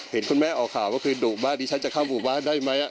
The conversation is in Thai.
เห็นคุณแม่อ่อข่าวว่าดูบว่าดิฉันจะเข้าบุกบ้านได้ไหม